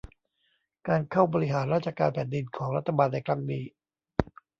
การเข้าบริหารราชการแผ่นดินของรัฐบาลในครั้งนี้